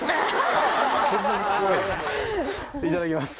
いただきます。